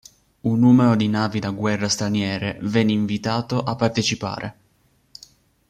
Un numero di navi da guerra straniere venne invitato a partecipare.